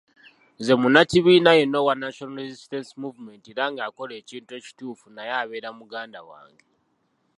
Nze munnakibiina yenna owa National Resistance Movement era ng'akola ekintu ekituufu naye abeera muganda wange.